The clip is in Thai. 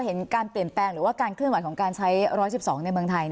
เห็นการเปลี่ยนแปลงหรือว่าการเคลื่อนไหวของการใช้๑๑๒ในเมืองไทย